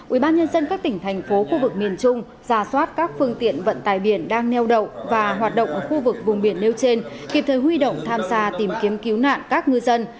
ubnd các tỉnh thành phố khu vực miền trung giả soát các phương tiện vận tài biển đang neo đậu và hoạt động ở khu vực vùng biển nêu trên kịp thời huy động tham gia tìm kiếm cứu nạn các ngư dân